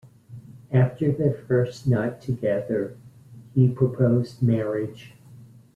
After their first night together, he proposed marriage.